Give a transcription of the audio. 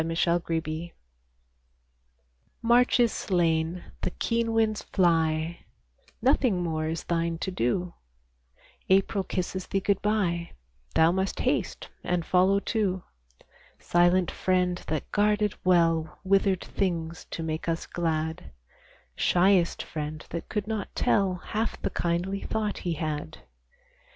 GOD SPEED TO THE SNOW March is slain; the keen winds fly; Nothing more is thine to do; April kisses thee good bye; Thou must haste and follow too; Silent friend that guarded well Withered things to make us glad, Shyest friend that could not tell Half the kindly thought he had.